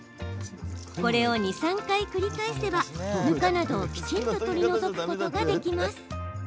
これを２、３回繰り返せばぬかなどをきちんと取り除くことができます。